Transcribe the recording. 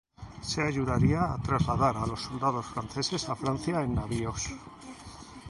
Se ayudaría a trasladar a los soldados franceses a Francia en navíos.